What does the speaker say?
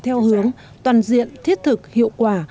theo hướng toàn diện thiết thực hiệu quả